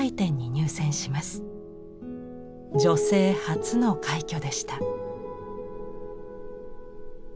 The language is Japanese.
女性初の快挙でした。